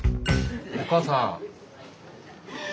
お母さん。